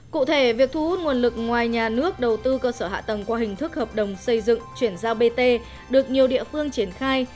cụ thể việc thu hút nguồn lực ngoài nhà nước đầu tư cơ sở hạ tầng qua hình thức hợp đồng xây dựng chuyển giao bt được nhiều địa phương triển khai